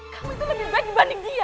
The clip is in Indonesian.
kamu itu lebih baik dibanding dia